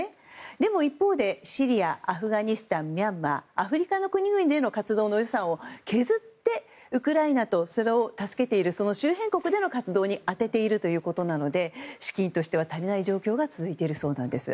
でも一方で、シリアやアフガニスタン、ミャンマーアフリカの国々での活動の予算を削って、ウクライナとそれを助けているその周辺国での活動に充てているということなので資金としては足りない状況が続いているそうなんです。